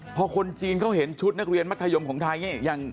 พอคนจีนเขาเห็นชุดนักเรียนมัธยมของไทยอย่างนางเอกสาวของจีน